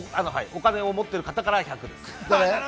お金を持っている方から１００です。